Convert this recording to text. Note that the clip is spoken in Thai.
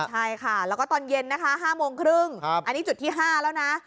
ใช่ค่ะแล้วก็ตอนเย็นนะคะ๕โมงครึ่งอันนี้จุดที่๕แล้วนะ